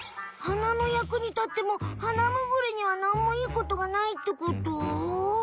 はなのやくにたってもハナムグリにはなんもいいことがないってこと？